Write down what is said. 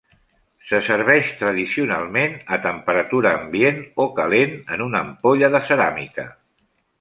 Se serveix tradicionalment a temperatura ambient o calent en una ampolla de ceràmica.